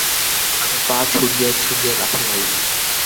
আমি পা ছুঁড়িয়া ছুঁড়িয়া লাথি মারিলাম।